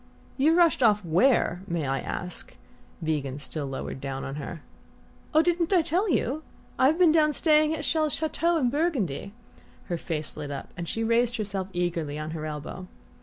"You rushed off where, may I ask?" Van Degen still lowered down on her. "Oh didn't I tell you? I've been down staying at Chelles' chateau in Burgundy." Her face lit up and she raised herself eagerly on her elbow.